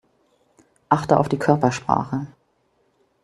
Achte auf die Körpersprache.